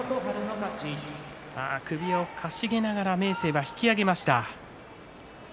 首をかしげながら明生が引き揚げました。